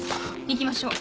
行きましょう。